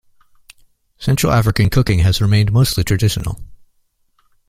Central African cooking has remained mostly traditional.